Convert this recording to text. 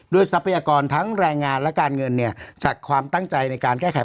ทรัพยากรทั้งแรงงานและการเงินจากความตั้งใจในการแก้ไข